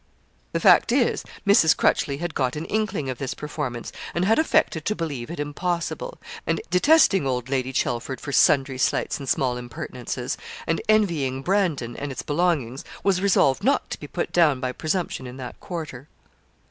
The fact is, Mrs. Crutchleigh had got an inkling of this performance, and had affected to believe it impossible; and, detesting old Lady Chelford for sundry slights and small impertinences, and envying Brandon and its belongings, was resolved not to be put down by presumption in that quarter.